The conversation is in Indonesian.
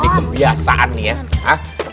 ini kebiasaan nih ya